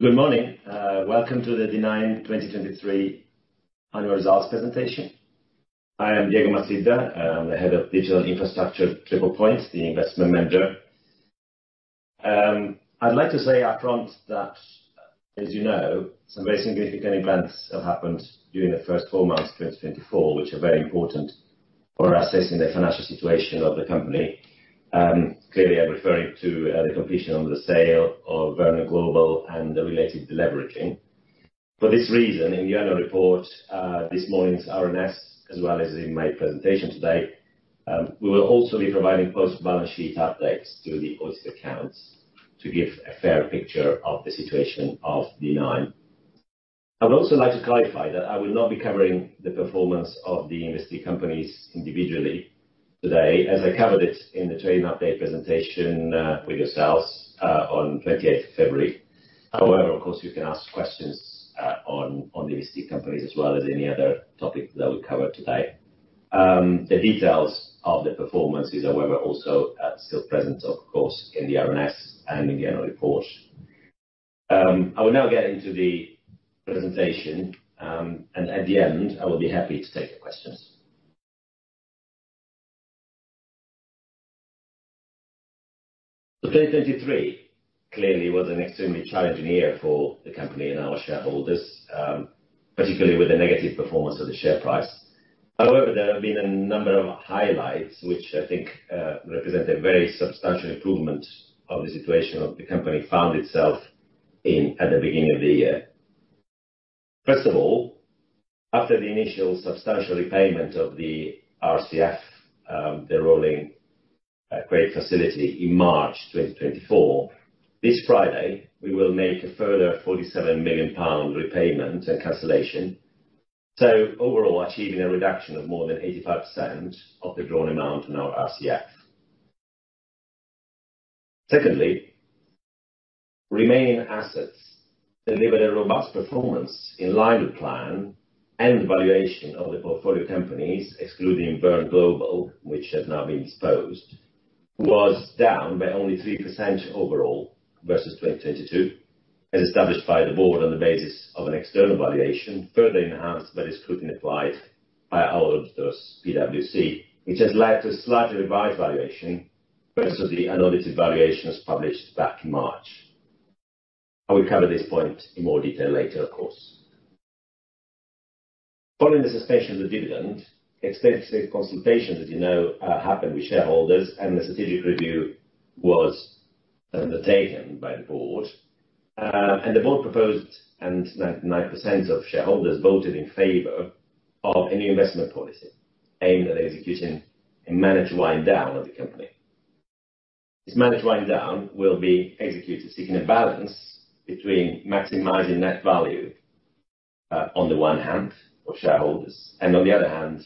Good morning. Welcome to the D9 2023 Annual Results Presentation. I am Diego Massidda, and I'm the Head of Digital Infrastructure at Triple Point, the investment manager. I'd like to say upfront that, as you know, some very significant events have happened during the first four months of 2024, which are very important for assessing the financial situation of the company. Clearly, I'm referring to the completion of the sale of Verne Global and the related leveraging. For this reason, in the annual report this morning's RNS, as well as in my presentation today, we will also be providing post-balance sheet updates to the audited accounts to give a fair picture of the situation of D9. I would also like to clarify that I will not be covering the performance of the investee companies individually today, as I covered it in the trading update presentation with yourselves on 28th February. However, of course, you can ask questions on the investee companies as well as any other topic that we cover today. The details of the performance is, however, also still present, of course, in the RNS and in the annual report. I will now get into the presentation, and at the end, I will be happy to take your questions. So 2023 clearly was an extremely challenging year for the company and our shareholders, particularly with the negative performance of the share price. However, there have been a number of highlights which I think represent a very substantial improvement of the situation of the company found itself in at the beginning of the year. First of all, after the initial substantial repayment of the RCF, the revolving credit facility, in March 2024, this Friday, we will make a further 47 million pound repayment and cancellation, so overall achieving a reduction of more than 85% of the drawn amount on our RCF. Secondly, remaining assets delivered a robust performance in line with plan and valuation of the portfolio companies, excluding Verne Global, which has now been disposed, was down by only 3% overall versus 2022, as established by the board on the basis of an external valuation, further enhanced by the scrutiny applied by our auditors, PwC, which has led to a slightly revised valuation versus the unaudited valuations published back in March. I will cover this point in more detail later, of course. Following the suspension of the dividend, extensive consultations, as you know, happened with shareholders, and the strategic review was undertaken by the board. The board proposed and 99% of shareholders voted in favor of a new investment policy aimed at executing a managed wind-down of the company. This managed wind-down will be executed seeking a balance between maximizing net value on the one hand, for shareholders, and on the other hand,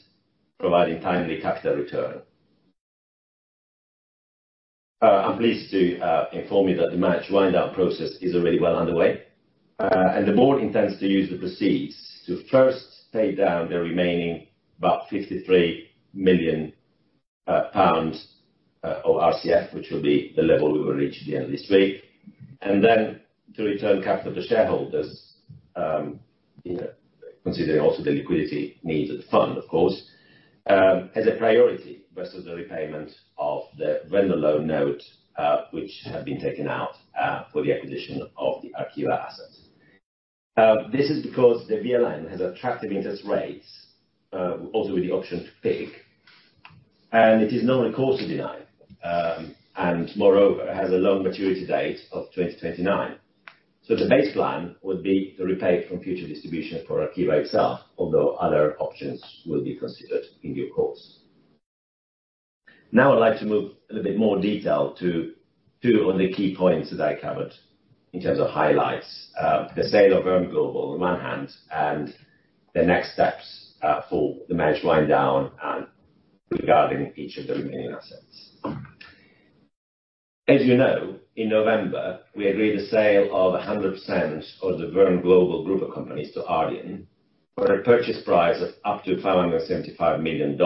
providing timely capital return. I'm pleased to inform you that the managed wind-down process is already well underway, and the board intends to use the proceeds to first pay down the remaining about 53 million pounds of RCF, which will be the level we will reach at the end of this week, and then to return capital to shareholders, considering also the liquidity needs of the fund, of course, as a priority versus the repayment of the vendor loan note which had been taken out for the acquisition of the Arqiva assets. This is because the VLN has attractive interest rates, also with the option to PIK, and it is now recourse to D9, and moreover, has a long maturity date of 2029. So the base plan would be to repay from future distribution for Arqiva itself, although other options will be considered in due course. Now I'd like to move a little bit more detail to two of the key points that I covered in terms of highlights: the sale of Verne Global on the one hand, and the next steps for the managed wind-down regarding each of the remaining assets. As you know, in November, we agreed a sale of 100% of the Verne Global Group of Companies to Ardian for a purchase price of up to $575 million,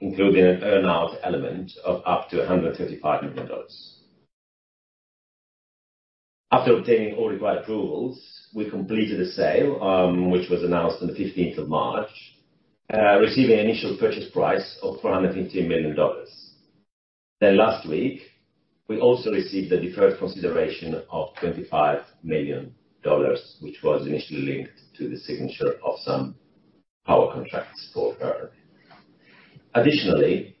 including an earnout element of up to $135 million. After obtaining all required approvals, we completed the sale, which was announced on the 15th of March, receiving an initial purchase price of $415 million. Then last week, we also received the deferred consideration of $25 million, which was initially linked to the signature of some power contracts for Verne. Additionally,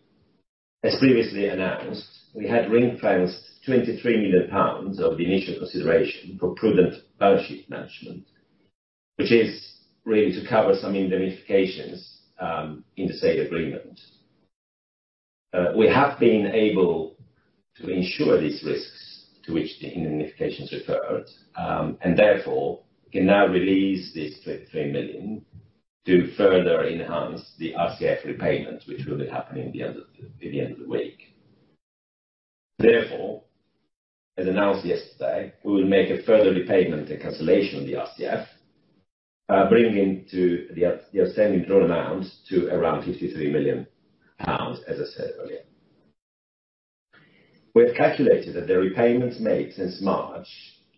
as previously announced, we had ring-fenced 23 million pounds of the initial consideration for prudent balance sheet management, which is really to cover some indemnifications in the sale agreement. We have been able to insure these risks to which the indemnifications referred, and therefore can now release these 23 million to further enhance the RCF repayment, which will be happening at the end of the week. Therefore, as announced yesterday, we will make a further repayment and cancellation of the RCF, bringing the outstanding drawn amount to around 53 million pounds, as I said earlier. We have calculated that the repayments made since March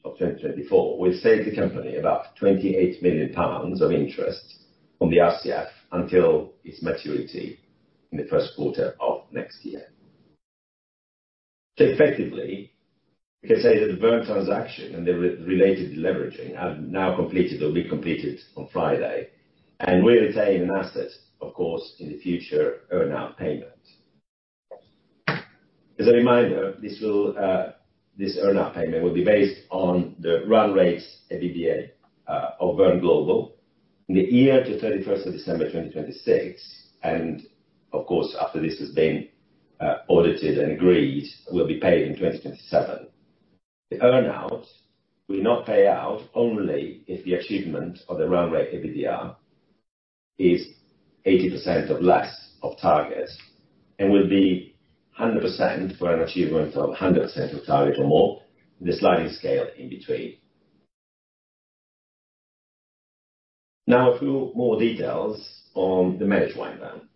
of 2024 will save the company about 28 million pounds of interest on the RCF until its maturity in the first quarter of next year. So effectively, we can say that the Verne transaction and the related leveraging have now completed or will be completed on Friday, and we retain an asset, of course, in the future earnout payment. As a reminder, this earnout payment will be based on the run rate EBITDA of Verne Global in the year to 31st of December 2026, and of course, after this has been audited and agreed, will be paid in 2027. The earnout will not pay out only if the achievement of the run rate EBITDA is 80% or less of target and will be 100% for an achievement of 100% of target or more, the sliding scale in between. Now a few more details on the managed wind-down.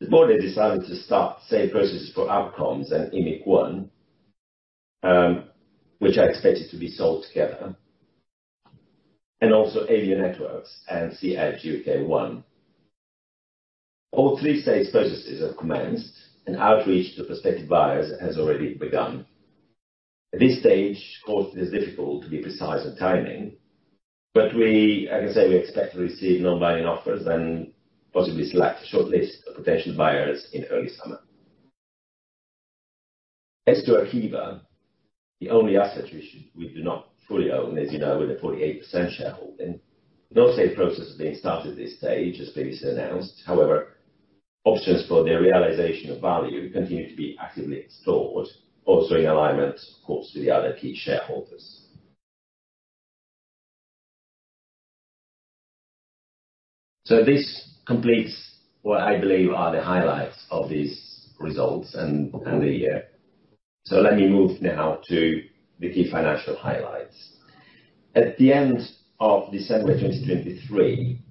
The board has decided to start sale processes for Aqua Comms and EMIC-1, which are expected to be sold together, and also Elio Networks and SeaEdge UK1. All three sales processes have commenced, and outreach to prospective buyers has already begun. At this stage, of course, it is difficult to be precise on timing, but like I say, we expect to receive non-binding offers and possibly select a short list of potential buyers in early summer. As to Arqiva, the only asset we do not fully own, as you know, with a 48% shareholding, no sale process has been started at this stage, as previously announced. However, options for their realization of value continue to be actively explored, also in alignment, of course, with the other key shareholders. So this completes what I believe are the highlights of these results and the year. So let me move now to the key financial highlights. At the end of December 2023,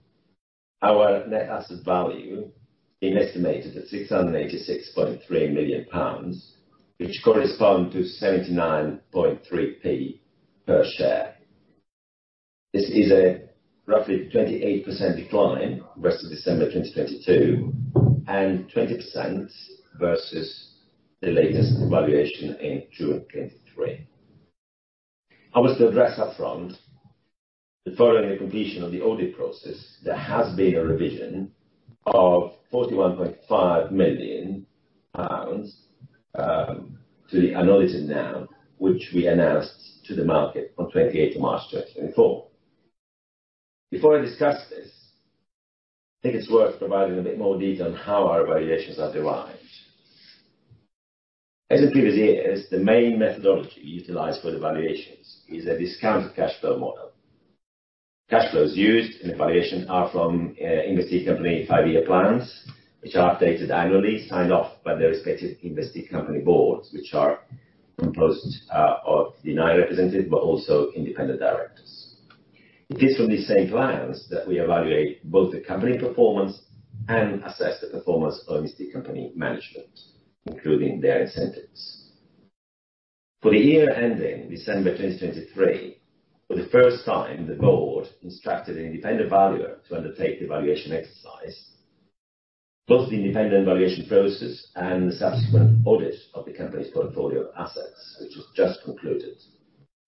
our net asset value being estimated at 686.3 million pounds, which corresponds to 0.793 per share. This is a roughly 28% decline versus December 2022 and 20% versus the latest valuation in June 2023. I was to address upfront that following the completion of the audit process, there has been a revision of 41.5 million pounds to the unaudited NAV, which we announced to the market on 28th of March 2024. Before I discuss this, I think it's worth providing a bit more detail on how our valuations are derived. As in previous years, the main methodology utilized for the valuations is a discounted cash flow model. Cash flows used in the valuation are from investee company five-year plans, which are updated annually, signed off by the respective investee company boards, which are composed of D9 representatives but also independent directors. It is from these same plans that we evaluate both the company performance and assess the performance of investee company management, including their incentives. For the year ending December 2023, for the first time, the board instructed an independent valuer to undertake the valuation exercise. Both the independent valuation process and the subsequent audit of the company's portfolio assets, which has just concluded,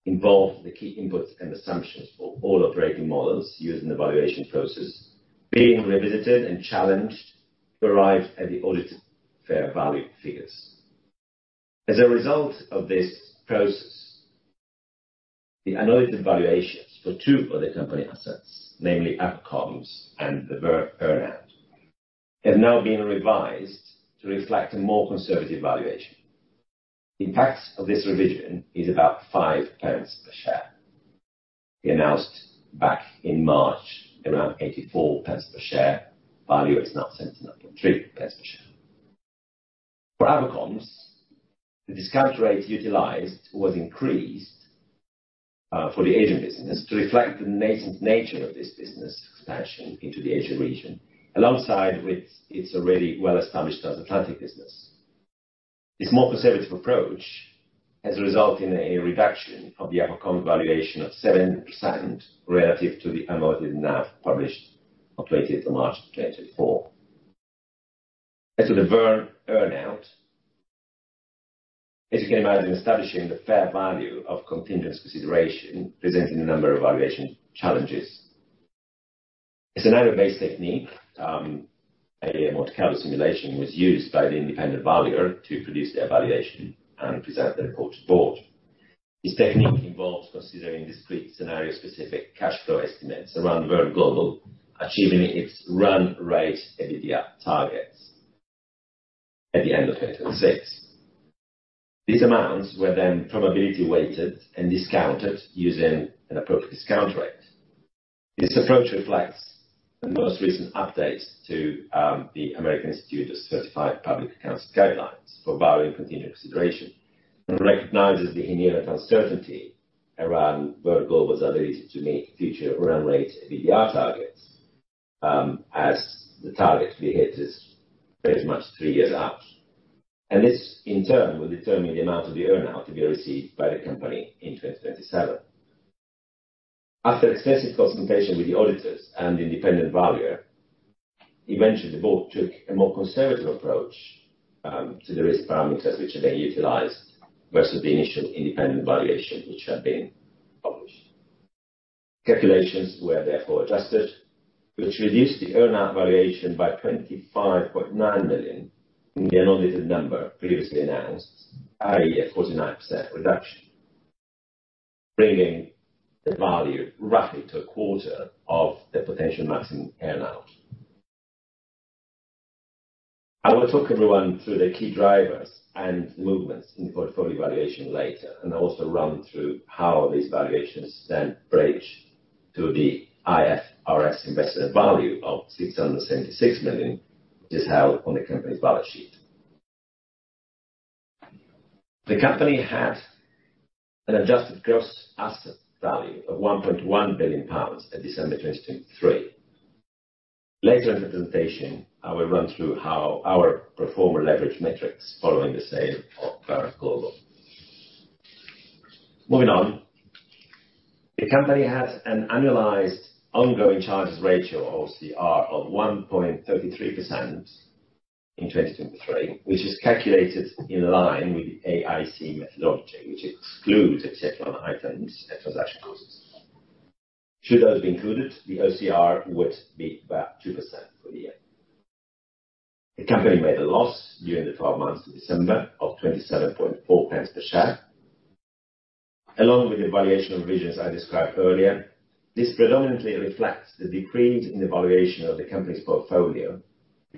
involved the key inputs and assumptions for all operating models used in the valuation process being revisited and challenged to arrive at the audited fair value figures. As a result of this process, the unaudited valuations for two of the company assets, namely Aqua Comms and the Verne Earn-Out, have now been revised to reflect a more conservative valuation. The impact of this revision is about 0.05 pounds per share. The announced back in March around 0.84 per share value is now 0.793 per share. For Aqua Comms, the discount rate utilized was increased for the Asian business to reflect the nascent nature of this business expansion into the Asia region, alongside with its already well-established transatlantic business. This more conservative approach has resulted in a reduction of the Aqua Comms valuation of 7% relative to the unaudited but now published accounts as at March 2024. As for the Verne earnout, as you can imagine, establishing the fair value of contingent consideration presents a number of valuation challenges. As another base technique, a Monte Carlo simulation was used by the independent valuer to produce their valuation and present the report to the board. This technique involves considering discrete scenario-specific cash flow estimates around Verne Global, achieving its run rate EBITDA targets at the end of 2026. These amounts were then probability-weighted and discounted using an appropriate discount rate. This approach reflects the most recent updates to the American Institute of Certified Public Accountants guidelines for valuing contingent consideration and recognizes the linear uncertainty around Verne Global's ability to meet future run rate EBITDA targets as the target to be hit is pretty much three years out. And this, in turn, will determine the amount of the Earn-Out to be received by the company in 2027. After extensive consultation with the auditors and the independent valuer, eventually, the board took a more conservative approach to the risk parameters which are then utilized versus the initial independent valuation which had been published. Calculations were, therefore, adjusted, which reduced the earnout valuation by 25.9 million in the unaudited number previously announced, i.e., a 49% reduction, bringing the value roughly to a quarter of the potential maximum Earn-Out. I will talk everyone through the key drivers and movements in the portfolio valuation later, and I'll also run through how these valuations then break to the IFRS investment value of 676 million, which is held on the company's balance sheet. The company had an adjusted gross asset value of 1.1 billion pounds at December 2023. Later in the presentation, I will run through how our portfolio leverage metrics following the sale of Verne Global. Moving on, the company has an annualized ongoing charges ratio, OCR, of 1.33% in 2023, which is calculated in line with the AIC methodology, which excludes exceptional items and transaction costs. Should those be included, the OCR would be about 2% for the year. The company made a loss during the 12 months to December of 0.274 per share. Along with the valuation revisions I described earlier, this predominantly reflects the decrease in the valuation of the company's portfolio,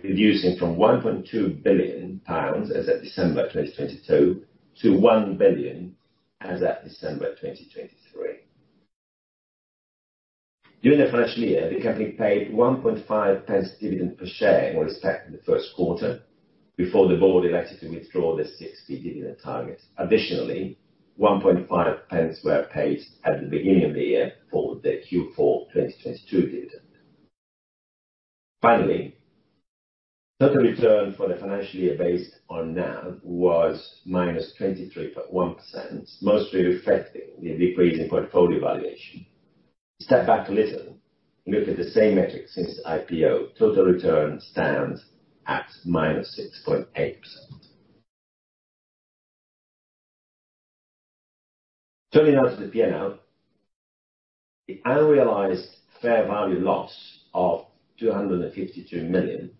reducing from 1.2 billion pounds as of December 2022 to 1 billion as of December 2023. During the financial year, the company paid 1.5 dividend per share with respect to the first quarter before the board elected to withdraw the 0.06 dividend target. Additionally, 0.015 were paid at the beginning of the year for the Q4 2022 dividend. Finally, total return for the financial year based on NAV was -23.1%, mostly reflecting the decrease in portfolio valuation. Step back a little and look at the same metrics since IPO. Total return stands at -6.8%. Turning now to the P&L, the unrealized fair value loss of 252 million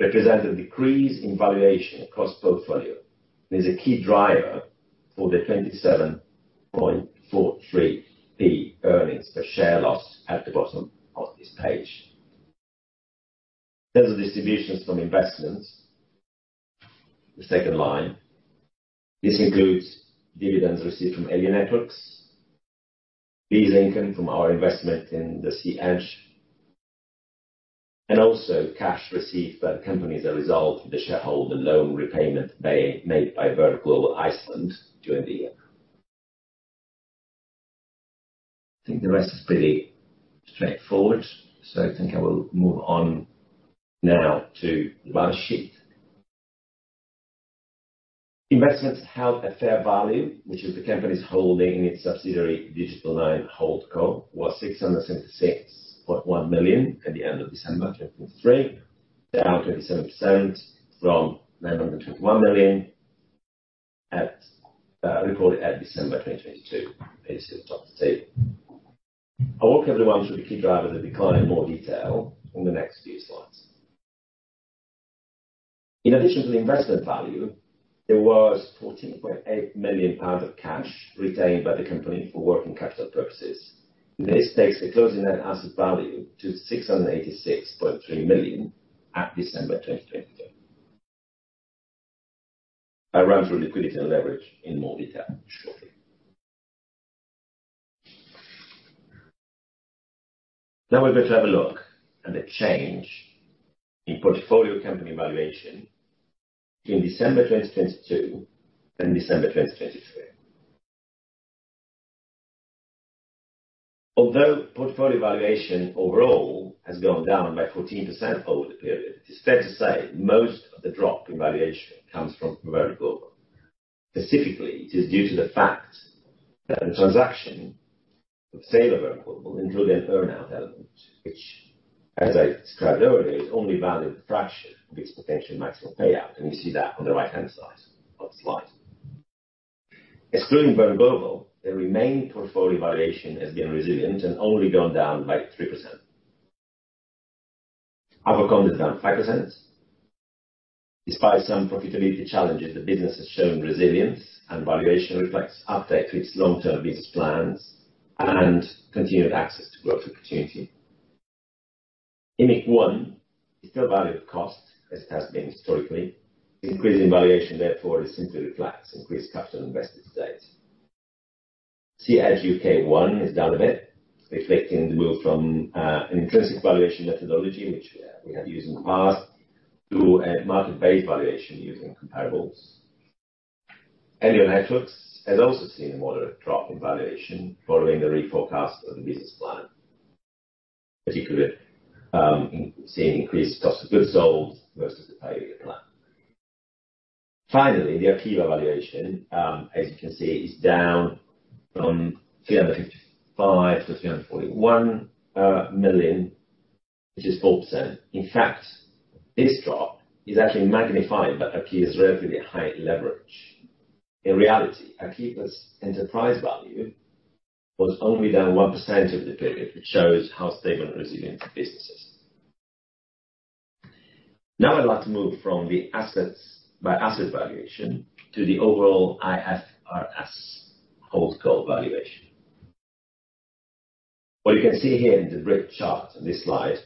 represents a decrease in valuation across portfolio and is a key driver for the 0.2743 earnings per share loss at the bottom of this page. In terms of distributions from investments, the second line, this includes dividends received from Elio Networks, lease income from our investment in the SeaEdge, and also cash received by the companies as a result of the shareholder loan repayment made by Verne Global Iceland during the year. I think the rest is pretty straightforward, so I think I will move on now to the balance sheet. Investments held at fair value, which is the company's holding in its subsidiary Digital 9 Holdco, was 676.1 million at the end of December 2023, down 27% from 921 million reported at December 2022, as you see at the top of the table. I'll walk everyone through the key drivers of decline in more detail in the next few slides. In addition to the investment value, there was 14.8 million pounds of cash retained by the company for working capital purposes. This takes the closing net asset value to 686.3 million at December 2022. I'll run through liquidity and leverage in more detail shortly. Now we're going to have a look at the change in portfolio company valuation in December 2022 and December 2023. Although portfolio valuation overall has gone down by 14% over the period, it is fair to say most of the drop in valuation comes from Verne Global. Specifically, it is due to the fact that the transaction of sale of Verne Global included an Earn-Out element, which, as I described earlier, is only valued a fraction of its potential maximum payout, and you see that on the right-hand side of the slide. Excluding Verne Global, the remaining portfolio valuation has been resilient and only gone down by 3%. Aqua Comms have gone 5%. Despite some profitability challenges, the business has shown resilience, and valuation reflects update to its long-term business plans and continued access to growth opportunity. EMIC-1 is still valued at cost as it has been historically. Increase in valuation, therefore, simply reflects increased capital invested to date. SeaEdge UK1 is down a bit, reflecting the move from an intrinsic valuation methodology, which we have used in the past, to a market-based valuation using comparables. Elio Networks has also seen a moderate drop in valuation following the re-forecast of the business plan, particularly seeing increased cost of goods sold versus the five-year plan. Finally, the Arqiva valuation, as you can see, is down from 355 million to 341 million, which is 4%. In fact, this drop is actually magnifying that Arqiva's relatively high leverage. In reality, Arqiva's enterprise value was only down 1% over the period, which shows how stable and resilient the business is. Now I'd like to move from the assets by asset valuation to the overall IFRS Holdco valuation. What you can see here in the grid chart on this slide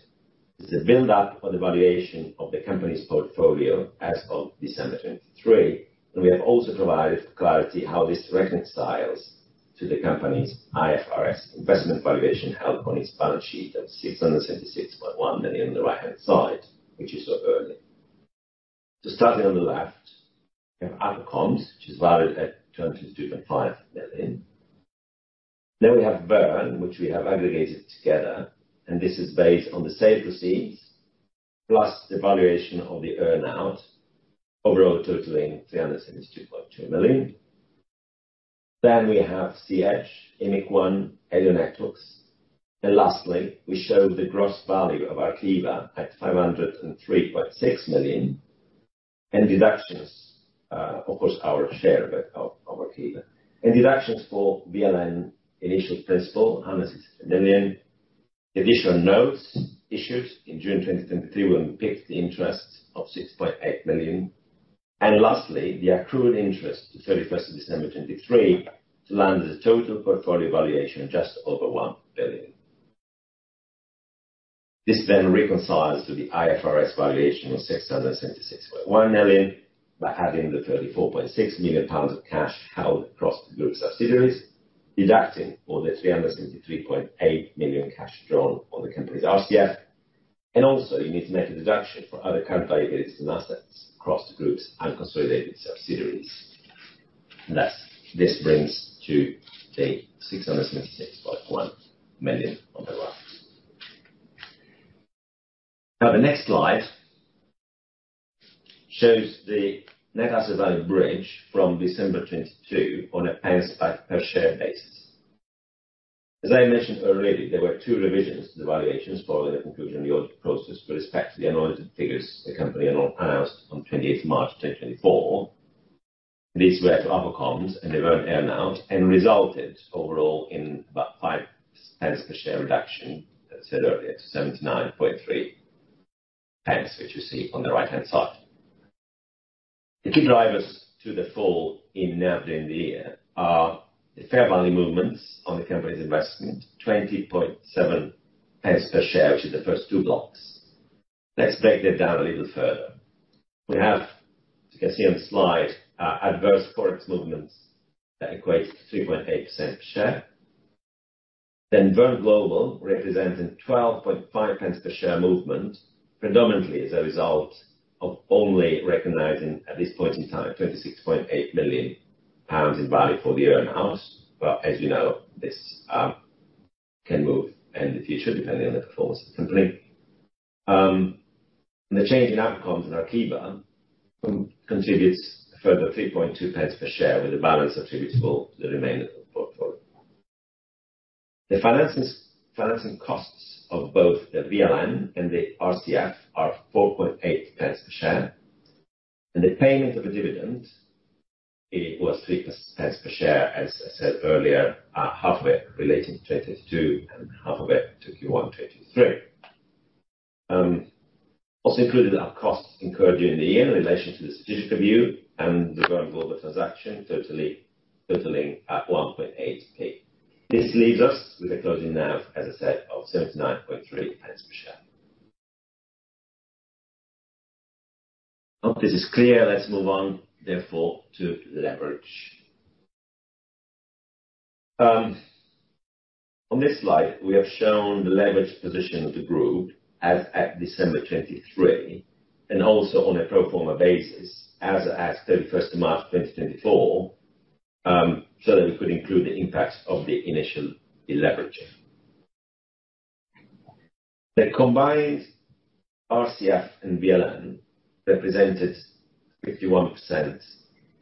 is the buildup of the valuation of the company's portfolio as of December 2023, and we have also provided clarity how this reconciles to the company's IFRS investment valuation held on its balance sheet of 676.1 million on the right-hand side, which is so early. So starting on the left, we have Aqua Comms, which is valued at 222.5 million. Then we have Verne, which we have aggregated together, and this is based on the sale proceeds plus the valuation of the Earn-Out, overall totaling 372.2 million. Then we have SeaEdge, EMIC-1, Elio Networks, and lastly, we show the gross value of Arqiva at 503.6 million and deductions, of course, our share of Arqiva, and deductions for VLN initial principal, GBP 160 million, additional notes issued in June 2023 when we picked the interest of 6.8 million, and lastly, the accrued interest to 31st of December 2023 to land as a total portfolio valuation just over 1 billion. This then reconciles to the IFRS valuation of 676.1 million by adding the 34.6 million pounds of cash held across the group subsidiaries, deducting all the 373.8 million cash drawn on the company's RCF, and also, you need to make a deduction for other counter-weighted assets across the group's unconsolidated subsidiaries. Thus, this brings to the 676.1 million on the right. Now, the next slide shows the net asset value bridge from December 2022 on a pence per share basis. As I mentioned earlier, there were two revisions to the valuations following the conclusion of the audit process with respect to the unaudited figures the company announced on 28th March 2024. These were to Aqua Comms and the Verne Earn-Out and resulted overall in about 0.05 per share reduction, as said earlier, to 0.793 pence, which you see on the right-hand side. The key drivers to the fall in NAV during the year are the fair value movements on the company's investment, 0.207 pence per share, which is the first two blocks. Let's break that down a little further. We have, as you can see on the slide, adverse forex movements that equate to 3.8% per share, then Verne Global representing 0.125 per share movement, predominantly as a result of only recognising, at this point in time, 26.8 million pounds in value for the Earn-Out. Well, as you know, this can move in the future depending on the performance of the company. The change in outcomes in Arqiva contributes a further 0.032 per share with the balance attributable to the remainder of the portfolio. The financing costs of both the VLN and the RCF are 0.048 per share, and the payment of the dividend was 0.03 per share, as I said earlier, half of it relating to 2022 and half of it to Q1 2023. Also included are costs incurred during the year in relation to the strategic review and the Verne Global transaction totaling 0.018. This leaves us with a closing NAV, as I said, of 0.793 per share. Hope this is clear. Let's move on, therefore, to leverage. On this slide, we have shown the leveraged position of the group as at December 2023 and also on a pro forma basis as of 31st of March 2024 so that we could include the impacts of the initial deleveraging. The combined RCF and VLN represented 51%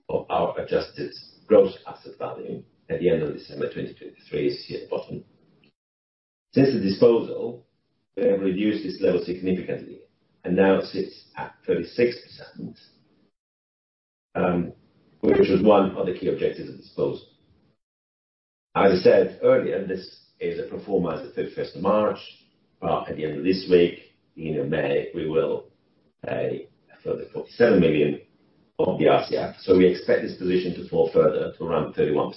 of our adjusted gross asset value at the end of December 2023, as you see at the bottom. Since the disposal, we have reduced this level significantly and now sits at 36%, which was one of the key objectives of disposal. As I said earlier, this is a pro forma as of 31st of March, but at the end of this week, beginning of May, we will pay a further 47 million of the RCF. So we expect this position to fall further to around 31%.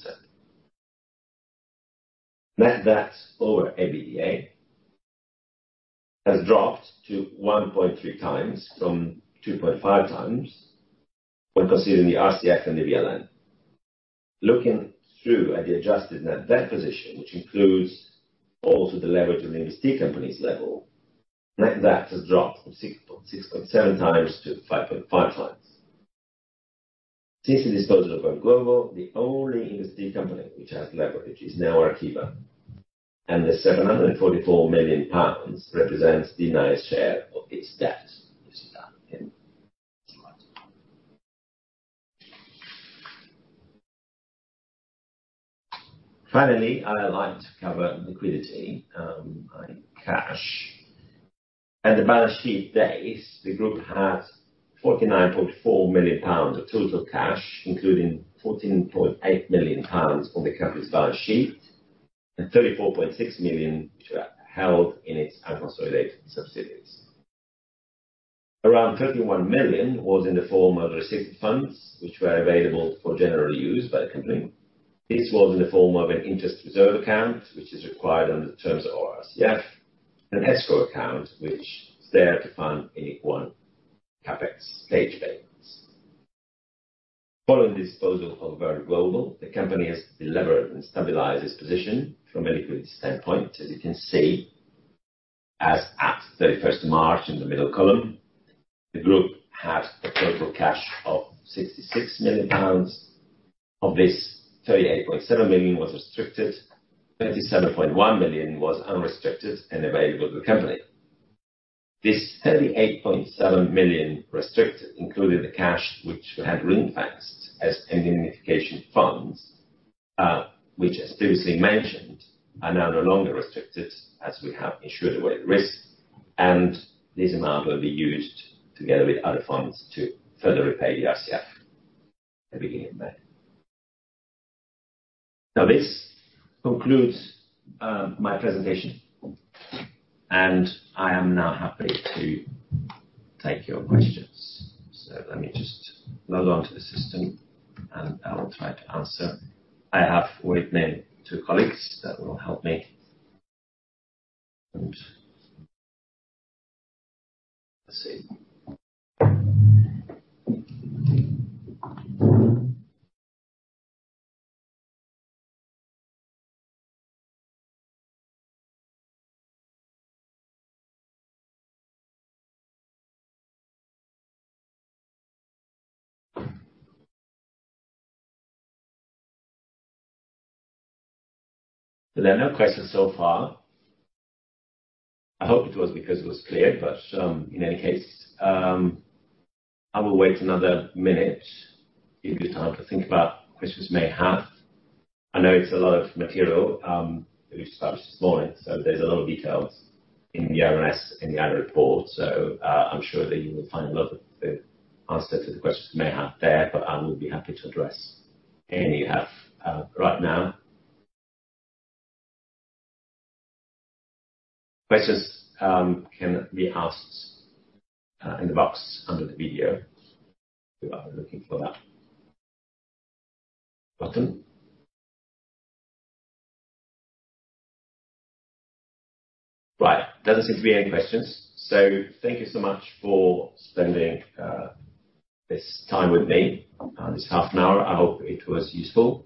Net debt over EBITDA has dropped to 1.3x from 2.5x when considering the RCF and the VLN. Looking through at the adjusted net debt position, which includes also the leverage of the investee company's level, net debt has dropped from 6.7x to 5.5x. Since the disposal of Verne Global, the only investee company which has leverage is now Arqiva, and the 744 million pounds represents deemed share of its debt, as you see down in the slide. Finally, I'd like to cover liquidity by cash. At the balance sheet dates, the group had 49.4 million pounds of total cash, including 14.8 million pounds on the company's balance sheet and 34.6 million which were held in its unconsolidated subsidiaries. Around 31 million was in the form of restricted funds which were available for general use by the company. This was in the form of an interest reserve account which is required under the terms of our RCF, an escrow account which is there to fund EMIC-1 CapEx stage payments. Following the disposal of Verne Global, the company has deleveraged and stabilized its position from a liquidity standpoint, as you can see. As at 31st of March in the middle column, the group had a total cash of 66 million pounds. Of this, 38.7 million was restricted, 27.1 million was unrestricted and available to the company. This 38.7 million restricted included the cash which had been financed as indemnification funds, which, as previously mentioned, are now no longer restricted as we have insured away the risk, and this amount will be used together with other funds to further repay the RCF at the beginning of May. Now, this concludes my presentation, and I am now happy to take your questions. So let me just log onto the system, and I will try to answer. I have waiting two colleagues that will help me. Let's see. So there are no questions so far. I hope it was because it was clear, but in any case, I will wait another minute, give you time to think about questions you may have. I know it's a lot of material that we've established this morning, so there's a lot of details in the RNS and the annual report, so I'm sure that you will find a lot of the answer to the questions you may have there, but I will be happy to address any you have right now. Questions can be asked in the box under the video. We are looking for that button. Right. Doesn't seem to be any questions. So thank you so much for spending this time with me, this half an hour. I hope it was useful.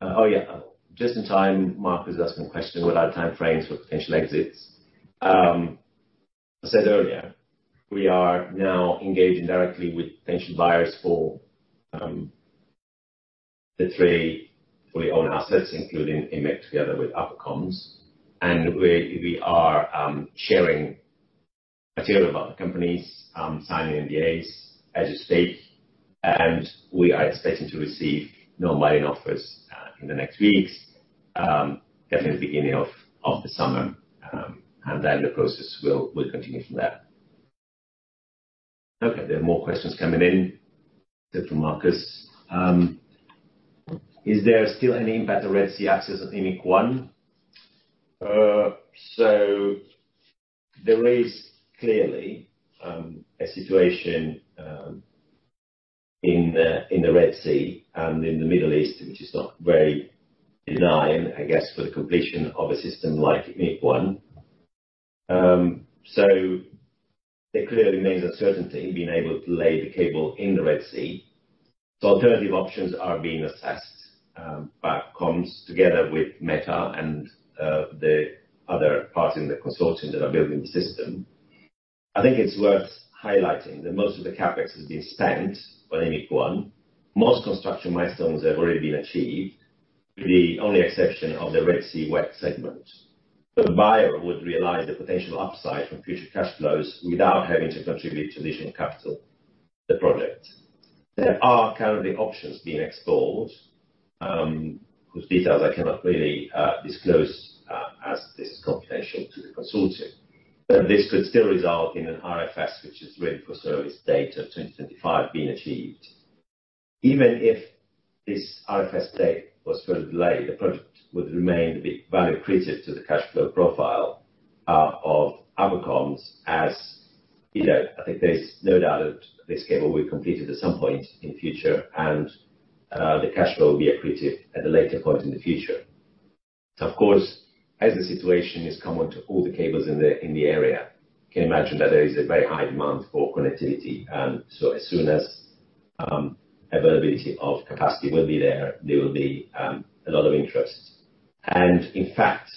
Oh, yeah. Just in time, Marcus asked me a question about timeframes for potential exits. As I said earlier, we are now engaging directly with potential buyers for the three fully owned assets, including EMIC-1 together with Aqua Comms, and we are sharing material about the companies, signing NDAs as you speak, and we are expecting to receive non-binding offers in the next weeks, definitely at the beginning of the summer, and then the process will continue from there. Okay. There are more questions coming in, except from Marcus. Is there still any impact on Red Sea access on EMIC-1? So there is clearly a situation in the Red Sea and in the Middle East which is not very benign, I guess, for the completion of a system like EMIC-1. So there clearly remains uncertainty in being able to lay the cable in the Red Sea. Alternative options are being assessed by Aqua Comms together with Meta and the other parties in the consortium that are building the system. I think it's worth highlighting that most of the CapEx has been spent on EMIC-1. Most construction milestones have already been achieved, with the only exception of the Red Sea wet segment. The buyer would realize the potential upside from future cash flows without having to contribute additional capital to the project. There are currently options being explored whose details I cannot really disclose as this is confidential to the consortium. But this could still result in an RFS, which is the ready-for-service date of 2025, being achieved. Even if this RFS date was further delayed, the project would remain the value accretive to the cash flow profile of Aqua Comms as I think there's no doubt that this cable will be completed at some point in the future, and the cash flow will be accretive at a later point in the future. So, of course, as the situation is common to all the cables in the area, you can imagine that there is a very high demand for connectivity, and so as soon as availability of capacity will be there, there will be a lot of interest. And in fact,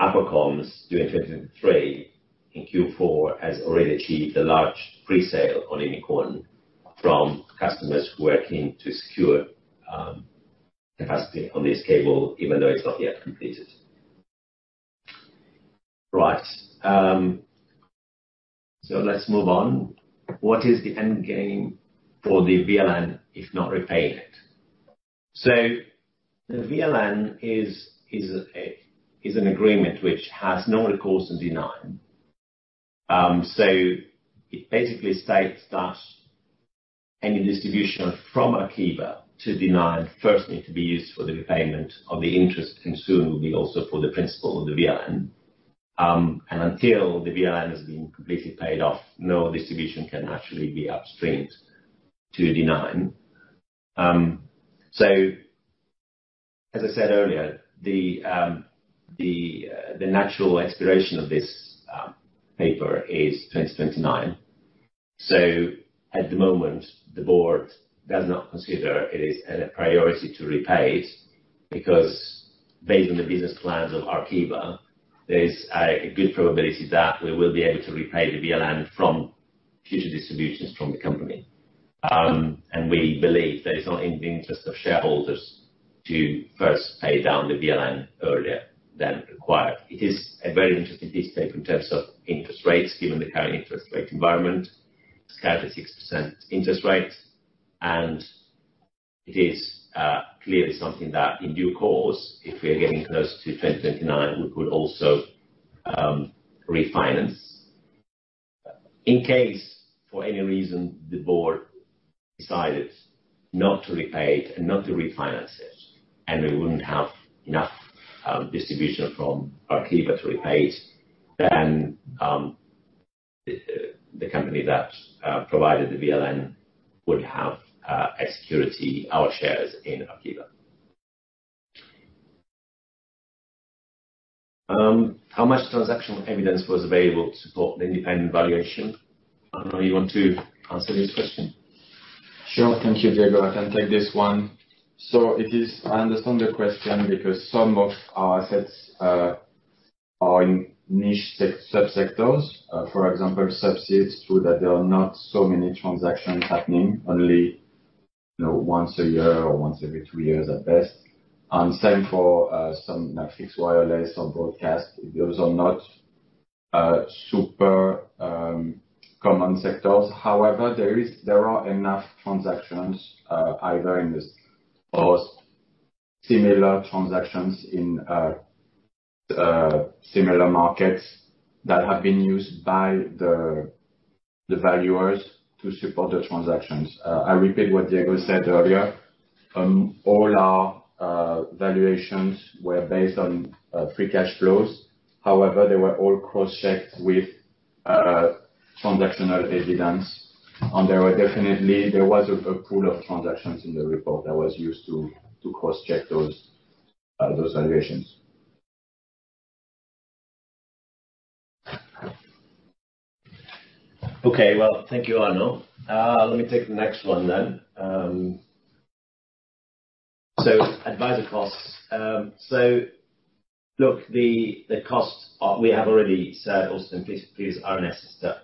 Aqua Comms during 2023 in Q4 has already achieved a large presale on EMIC-1 from customers who are keen to secure capacity on this cable even though it's not yet completed. Right. So let's move on. What is the endgame for the VLN if not repaying it? So the VLN is an agreement which has no recourse to D9. So it basically states that any distribution from Arqiva to D9 first needs to be used for the repayment of the interest and soon will be also for the principal of the VLN. And until the VLN has been completely paid off, no distribution can actually be upstreamed to D9. So, as I said earlier, the natural expiration of this paper is 2029. So at the moment, the board does not consider it as a priority to repay it because, based on the business plans of Arqiva, there's a good probability that we will be able to repay the VLN from future distributions from the company. And we believe that it's not in the interest of shareholders to first pay down the VLN earlier than required. It is a very interesting piece of paper in terms of interest rates given the current interest rate environment. It's currently 6% interest rate, and it is clearly something that, in due course, if we are getting close to 2029, we could also refinance. In case, for any reason, the board decided not to repay it and not to refinance it, and we wouldn't have enough distribution from Arqiva to repay it, then the company that provided the VLN would have executed our shares in Arqiva. How much transactional evidence was available to support the independent valuation? Arnaud you want to answer this question? Sure. Thank you, Diego. I can take this one. So I understand your question because some of our assets are in niche subsectors. For example, subsea show that there are not so many transactions happening, only once a year or once every two years at best. And same for some fixed wireless or broadcast. Those are not super common sectors. However, there are enough transactions either in this or similar transactions in similar markets that have been used by the valuers to support the transactions. I repeat what Diego said earlier. All our valuations were based on free cash flows. However, they were all cross-checked with transactional evidence, and there was a pool of transactions in the report that was used to cross-check those valuations. Okay. Well, thank you, Arnaud. Let me take the next one then. So advisor costs. So look, the costs we have already said. Also, please, RNS, the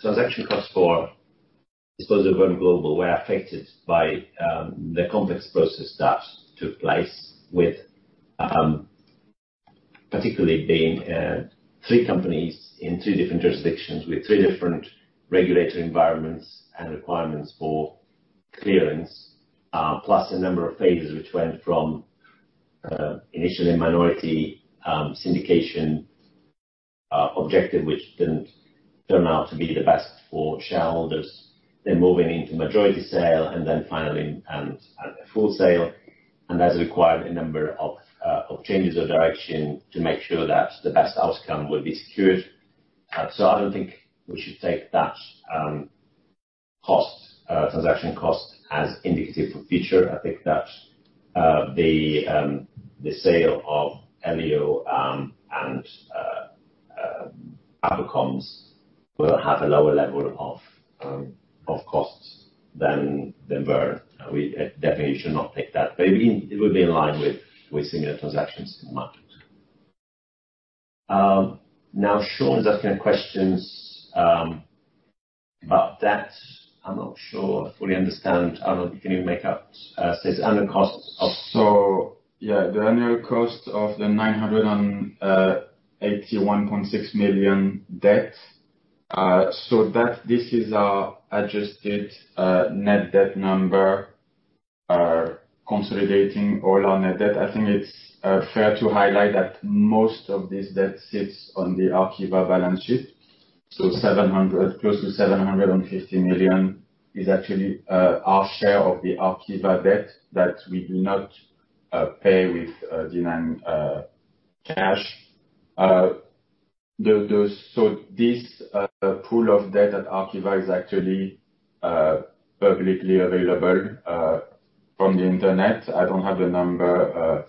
transaction costs for disposal of Verne Global were affected by the complex process that took place, particularly being three companies in three different jurisdictions with three different regulatory environments and requirements for clearance, plus a number of phases which went from initially minority syndication objective which didn't turn out to be the best for shareholders, then moving into majority sale, and then finally a full sale, and that's required a number of changes of direction to make sure that the best outcome would be secured. So I don't think we should take that transaction cost as indicative for future. I think that the sale of Elio and Aqua Comms will have a lower level of costs than Verne. We definitely should not take that. But it would be in line with similar transactions in the market. Now, Sean's asking questions about debt. I'm not sure. I fully understand. Arnaud, can you make up? It says, "Annual costs of " So yeah. The annual cost of the 981.6 million debt. So this is our adjusted net debt number consolidating all our net debt. I think it's fair to highlight that most of this debt sits on the Arqiva balance sheet. So close to 750 million is actually our share of the Arqiva debt that we do not pay with D9 cash. So this pool of debt at Arqiva is actually publicly available from the internet. I don't have the number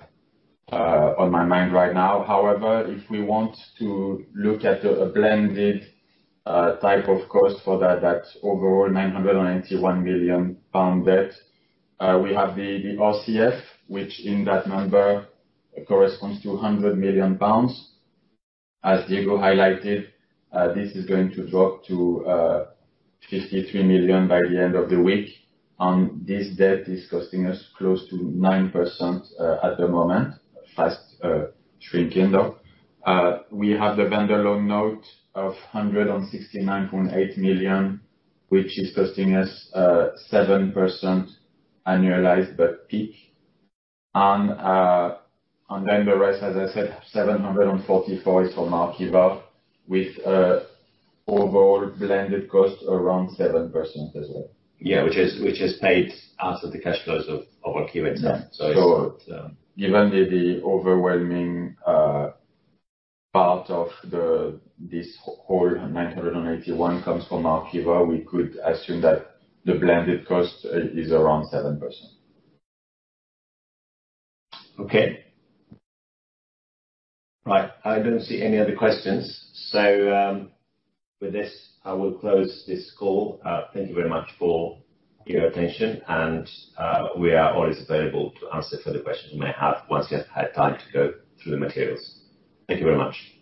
on my mind right now. However, if we want to look at a blended type of cost for that, that overall 981 million-pound debt, we have the RCF which, in that number, corresponds to 100 million pounds. As Diego highlighted, this is going to drop to 53 million by the end of the week. And this debt is costing us close to 9% at the moment, fast shrinking, though. We have the vendor loan note of 169.8 million which is costing us 7% annualised but PIK. And then the rest, as I said, 744 million is from Arqiva with overall blended cost around 7% as well. Yeah. Which is paid out of the cash flows of Arqiva itself. So it's given the overwhelming part of this whole 981 million comes from Arqiva, we could assume that the blended cost is around 7%. Okay. Right. I don't see any other questions. So with this, I will close this call. Thank you very much for your attention, and we are always available to answer further questions you may have once you have had time to go through the materials. Thank you very much.